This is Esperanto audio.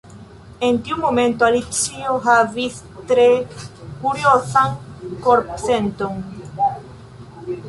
En tiu momento Alicio havis tre kuriozan korpsenton.